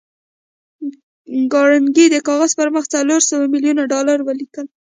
کارنګي د کاغذ پر مخ څلور سوه ميليونه ډالر ولیکل